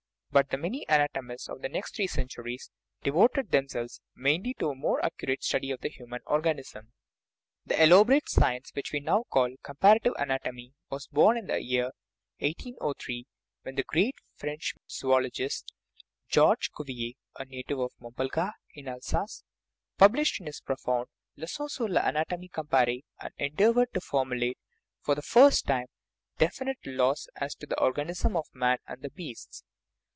But the many anatomists of the next three centuries devoted themselves mainly to a more accurate study of the human organism. The OUR BODILY FRAME elaborate science which we now call comparative anat omy was born in the year 1803, when the great French zoologist Georges Cuvier (a native of Mompelgard, in Alsace) published his profound Lemons sur I'anatomie comparee, and endeavored to formulate, for the first time, definite laws as to the organism of man and the beasts.